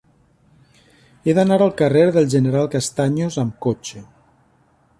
He d'anar al carrer del General Castaños amb cotxe.